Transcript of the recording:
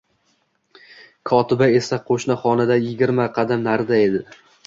Kotiba esa qo`shni xonada, yigirma qadam narida edi